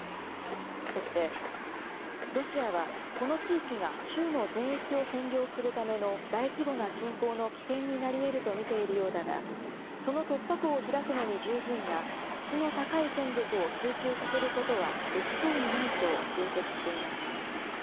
そして、ロシアはこの地域が州の全域を占領するための大規模な侵攻の起点になりえると見ているようだが、その突破口を開くのに十分な質の高い戦力を集中させることはできそうにないと分析しています。